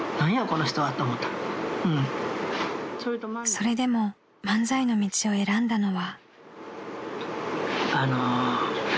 ［それでも漫才の道を選んだのは］